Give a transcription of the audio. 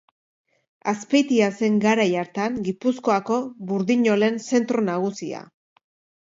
Azpeitia zen, garai hartan, Gipuzkoako burdinolen zentro nagusia.